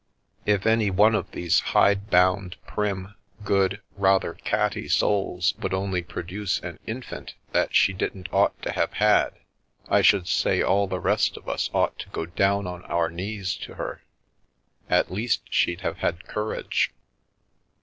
If any one of these hide bound, prim, good, rather catty souls would only produce an infant that she didn't ought to have had, I should say all the rest of us ought to go down on our knees to her. At least she'd have had courage.